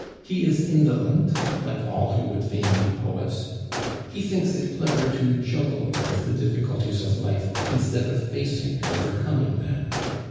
He is indolent, like all who would fain be poets; he thinks it clever to juggle with the difficulties of life instead of facing and overcoming them.